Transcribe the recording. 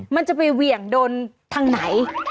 มันจะไปเหวี่ยงโดนทางไหน